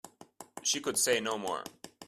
She could say no more.